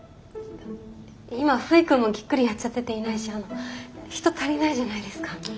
今フイくんもギックリやっちゃってていないしあの人足りないじゃないですか。